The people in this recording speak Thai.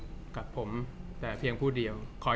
จากความไม่เข้าจันทร์ของผู้ใหญ่ของพ่อกับแม่